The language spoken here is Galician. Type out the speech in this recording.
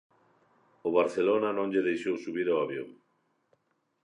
O Barcelona non lle deixou subir ao avión.